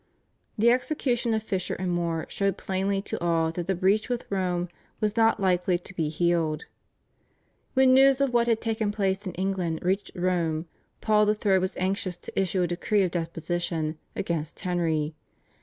The execution of Fisher and More showed plainly to all that the breach with Rome was not likely to be healed. When news of what had taken place in England reached Rome Paul III. was anxious to issue a decree of deposition against Henry.